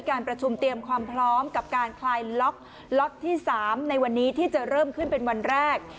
การประชุมเตรียมความพร้อมกับการคลายล็อกล็อตที่๓ในวันนี้ที่จะเริ่มขึ้นเป็นวันแรก